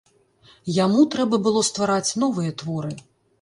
Яму трэба было ствараць новыя творы.